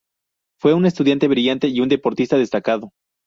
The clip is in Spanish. Fue un estudiante brillante y un deportista destacado.